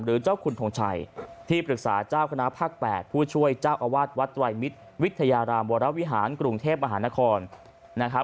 เจ้าคุณทงชัยที่ปรึกษาเจ้าคณะภาค๘ผู้ช่วยเจ้าอาวาสวัดไตรมิตรวิทยารามวรวิหารกรุงเทพมหานครนะครับ